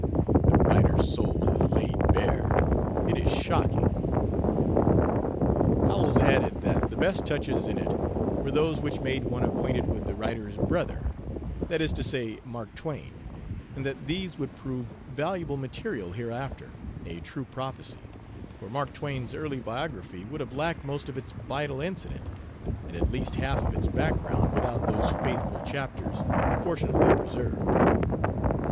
The writer's soul is laid bare; it is shocking." Howells added that the best touches in it were those which made one acquainted with the writer's brother; that is to say, Mark Twain, and that these would prove valuable material hereafter a true prophecy, for Mark Twain's early biography would have lacked most of its vital incident, and at least half of its background, without those faithful chapters, fortunately preserved.